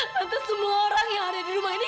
untuk semua orang yang ada di rumah ini